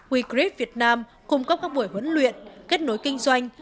we create vietnam cung cấp các buổi huấn luyện kết nối kinh doanh